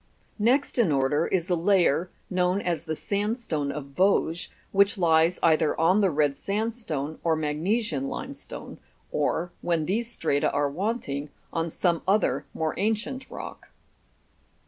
Next in order is a layer, known as the sandstone of Vosges, which lies either on the red sandstone or magnesian limestone ; or, when these strata are wanting, on some other more ancient rock.